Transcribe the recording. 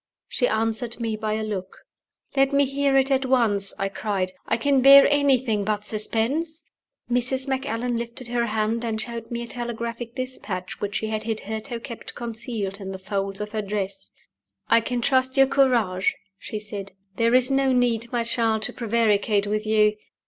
She answered me by a look. "Let me he ar it at once!" I cried. "I can bear anything but suspense." Mrs. Macallan lifted her hand, and showed me a telegraphic dispatch which she had hitherto kept concealed in the folds of her dress. "I can trust your courage," she said. "There is no need, my child, to prevaricate with you.